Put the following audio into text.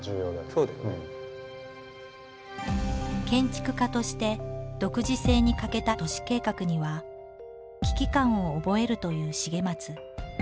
建築家として独自性に欠けた都市計画には危機感を覚えるという重松。